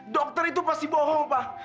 dokter itu pasti bohong pak